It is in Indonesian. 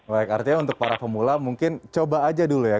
baik artinya untuk para pemula mungkin coba aja dulu ya